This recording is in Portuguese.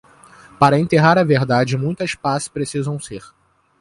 Para enterrar a verdade, muitas pás precisam ser.